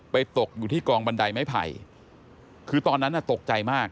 ตกอยู่ที่กองบันไดไม้ไผ่คือตอนนั้นน่ะตกใจมาก